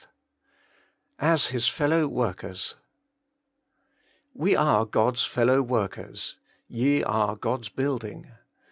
XXIV Hs Ibis ffellow^morkers ' We are God's fellow workers : ye are God's building.'